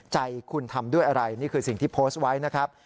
ใจคุณทำด้วยอะไรนี่คือสิ่งที่โพสต์ไว้นะครับ